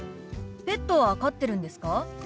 ペットは飼ってるんですか？